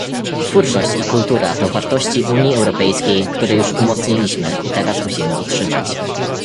Twórczość i kultura to wartości Unii Europejskiej, które już umocniliśmy i teraz musimy utrzymać